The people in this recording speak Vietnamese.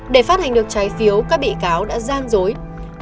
để phát hành được trái phiếu các bị cáo đã gian dối